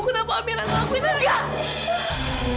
kenapa amyra gak mendengar